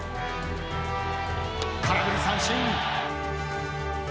空振り三振！